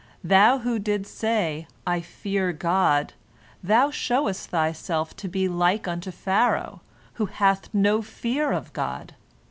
Thou who didst say, 'I fear God,' thou showest thyself to be like unto Pharaoh, who hath no fear of God.